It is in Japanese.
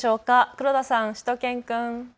黒田さん、しゅと犬くん。